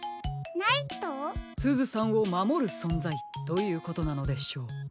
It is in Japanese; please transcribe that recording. すずさんをまもるそんざいということなのでしょう。